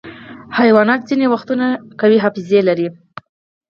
حیوانات ځینې وختونه قوي حافظه لري.